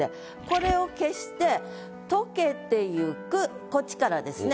これを消して「溶けてゆく」こっちからですね。